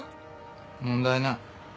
問題ない。